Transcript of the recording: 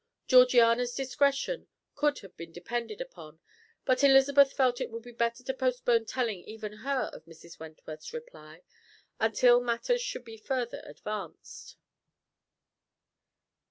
Georgiana's discretion could have been depended upon, but Elizabeth felt it would be better to postpone telling even her of Mrs. Wentworth's reply until matters should be further advanced.